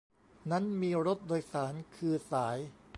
นั้นมีรถโดยสารคือสาย